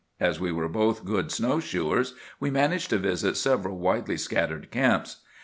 As we were both good snow shoers, we managed to visit several widely scattered camps.